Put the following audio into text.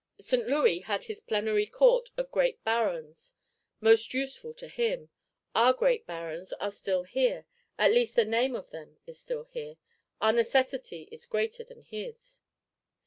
St. Louis had his Plenary Court, of Great Barons; most useful to him: our Great Barons are still here (at least the Name of them is still here); our necessity is greater than his.